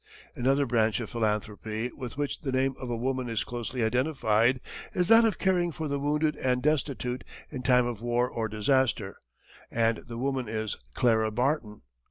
Another branch of philanthropy with which the name of a woman is closely identified is that of caring for the wounded and destitute in time of war or disaster, and the woman is Clara Barton.